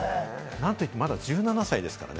なんといっても、まだ１７歳ですからね。